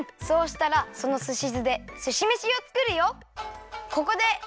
そうしたらそのすし酢ですしめしをつくるよ！